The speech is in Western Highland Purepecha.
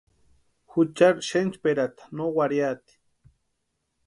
Juchari xenchperata no warhiati.